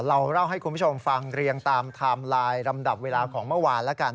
เราเล่าให้คุณผู้ชมฟังเรียงตามไทม์ไลน์ลำดับเวลาของเมื่อวานแล้วกัน